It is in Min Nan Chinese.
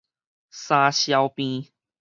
三消病